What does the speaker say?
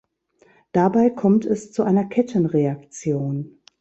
Dabei kommt es zu einer Kettenreaktion.